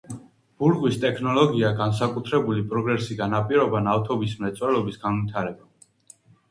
ბურღვის ტექნოლოგია განსაკუთრებული პროგრესი განაპირობა ნავთობის მრეწველობის განვითარებამ.